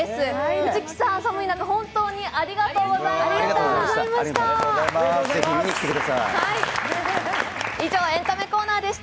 藤木さん、寒い中本当にありがとうございました。